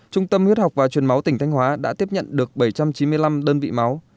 trung tâm huyết học và truyền máu tỉnh thanh hóa đã tiếp nhận được bảy trăm chín mươi năm đơn vị máu